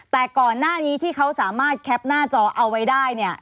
แต่ก่อนหน้านี้ที่เขาสามารถแคปหน้าจอเอาไว้ได้เนี่ย